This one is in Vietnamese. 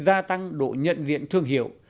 gia tăng độ nhận diện thương hiệu